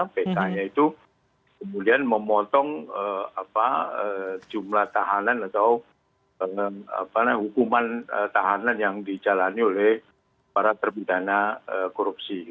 pk nya itu kemudian memotong jumlah tahanan atau hukuman tahanan yang dijalani oleh para terpidana korupsi